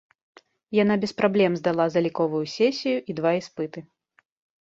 Яна без праблем здала заліковую сесію і два іспыты.